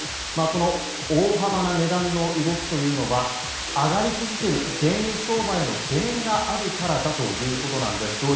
この大幅な値段の動きというのは上がり続ける原油相場への懸念があるからだということなんです。